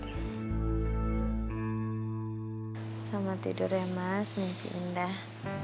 selamat tidur ya mas mungkin indah